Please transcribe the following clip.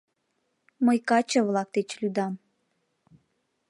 — Мый каче-влак деч лӱдам.